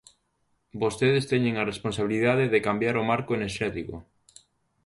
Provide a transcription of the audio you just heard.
Vostedes teñen a responsabilidade de cambiar o marco enerxético.